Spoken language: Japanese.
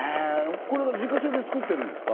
これ自家製で作ってるんですか